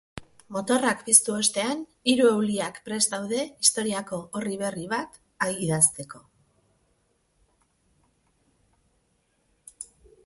Motorrak piztu ostean, hiru euliak prest daude historiako orri berri abt idazteko.